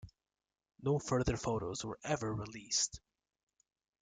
No further photos were ever released.